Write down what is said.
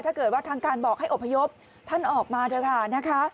ถ้าเกิดว่าทางการบอกให้อบพยพท่านออกมาเถอะค่ะนะคะ